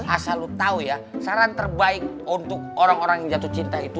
asal lo tahu ya saran terbaik untuk orang orang yang jatuh cinta itu